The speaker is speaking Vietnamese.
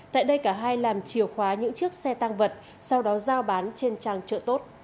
tại đây cả hai làm chiều khóa những chiếc xe tăng vật sau đó giao bán trên trang trợ tốt